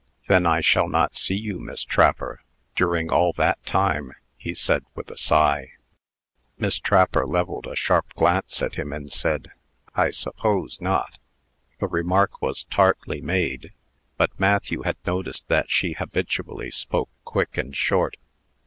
"Then I shall not see you, Miss Trapper, during all that time!" he said, with a sigh. Miss Trapper levelled a sharp glance at him, and said, "I suppose not." The remark was tartly made; but Matthew had noticed that she habitually spoke quick and short.